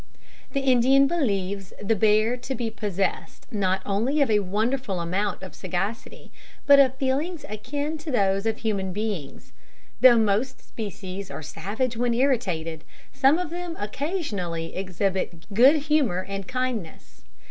The Indian believes the bear to be possessed not only of a wonderful amount of sagacity, but of feelings akin to those of human beings. Though most species are savage when irritated, some of them occasionally exhibit good humour and kindness.